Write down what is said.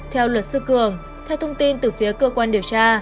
theo luật sư cường theo thông tin từ phía cơ quan điều tra